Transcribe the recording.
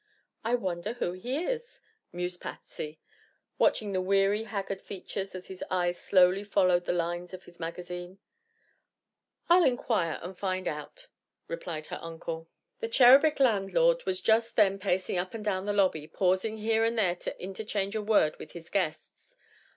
"I wonder who he is?" mused Patsy, watching the weary, haggard features as his eyes slowly followed the lines of his magazine. "I'll inquire and find out," replied her uncle. The cherubic landlord was just then pacing up and down the lobby, pausing here and there to interchange a word with his guests.